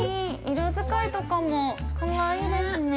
色使いとかもかわいいですね。